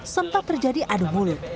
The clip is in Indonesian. sempat terjadi aduh mulut